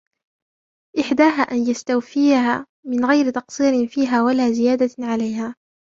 إحْدَاهَا أَنْ يَسْتَوْفِيَهَا مِنْ غَيْرِ تَقْصِيرٍ فِيهَا وَلَا زِيَادَةٍ عَلَيْهَا